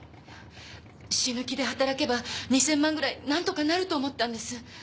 死ぬ気で働けば２，０００万円ぐらいなんとかなると思ったんです。